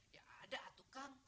ya ada atukang